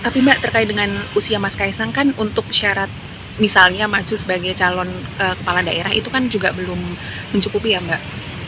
tapi mbak terkait dengan usia mas kaisang kan untuk syarat misalnya maju sebagai calon kepala daerah itu kan juga belum mencukupi ya mbak